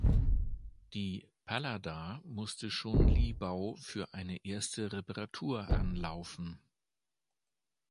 Die "Pallada" musste schon Libau für eine erste Reparatur anlaufen.